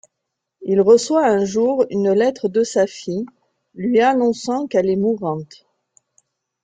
Il reçoit un jour une lettre de sa fille, lui annonçant qu'elle est mourante.